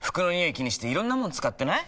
気にしていろんなもの使ってない？